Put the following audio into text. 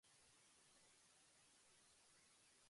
小峰洋子